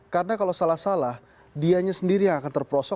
karena kalau salah salah dianya sendiri yang akan terprosok